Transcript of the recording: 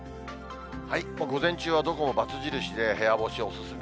午前中はどこも×印で、部屋干しお勧め。